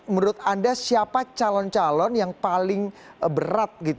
menurut anda siapa calon calon yang paling berat gitu